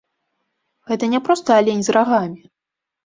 Гэта не проста алень з рагамі.